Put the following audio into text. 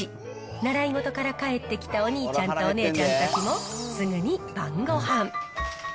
習い事から帰ってきたお兄ちゃんとお姉ちゃんたちも、すぐに晩ごはん。